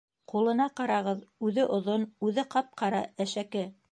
Ҡулына ҡарағыҙ, үҙе оҙон, үҙе ҡап-ҡара, әшәке!